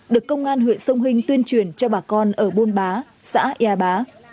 được công an huyện sông hinh tuyên truyền cho bà con ở bôn bá xã ea bá